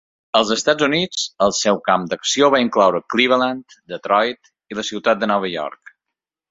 Als Estats Units el seu camp d'acció va incloure Cleveland, Detroit i la Ciutat de Nova York.